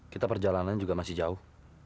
kita perjalanan juga masih jauh